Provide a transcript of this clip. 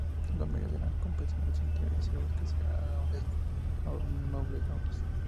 La mayoría eran campesinos sin tierra y siervos que servían a once nobles.